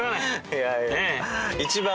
いやいや。